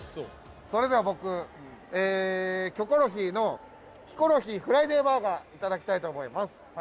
それでは僕『キョコロヒー』のヒコロヒーフライデーバーガー頂きたいと思います。